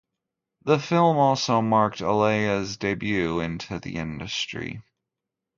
The film also marked Alaya’s debut into the industry.